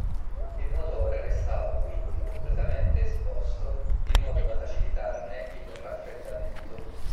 Il motore restava quindi completamente esposto in modo da facilitarne il raffreddamento.